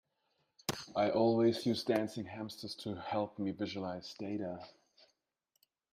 I always use dancing hamsters to help me visualise data.